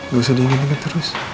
gak usah diinginkan terus